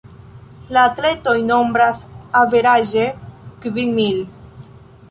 La atletoj nombras averaĝe kvin mil.